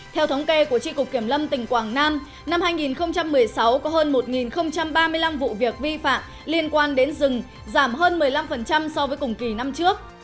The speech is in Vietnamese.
theo thống kê của tri cục kiểm lâm tỉnh quảng nam năm hai nghìn một mươi sáu có hơn một ba mươi năm vụ việc vi phạm liên quan đến rừng giảm hơn một mươi năm so với cùng kỳ năm trước